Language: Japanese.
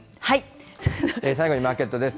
最後にマーケットです。